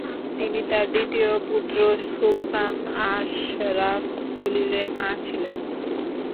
তিনি তার দ্বিতীয় পুত্র সুলতান আশরাফ খলিলের মা ছিলেন।